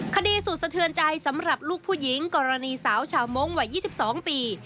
คดีสุดสะเทือนใจสำหรับลูกผู้หญิงกรณีสาวชาวมงค์วัย๒๒ปี